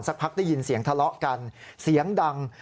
พักได้ยินเสียงทะเลาะกันเสียงดัง